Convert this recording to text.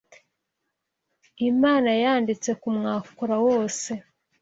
Imana yayanditse ku mwakura wose